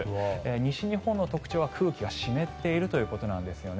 西日本の特徴は空気が湿っているということなんですよね。